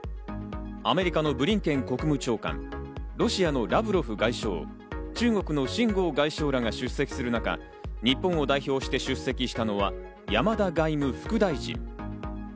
アメリカのブリンケン国務長官、ロシアのラブロフ外相、中国のシン・ゴウ外相が出席する中、日本を代表して出席したのは、山田外務副大臣。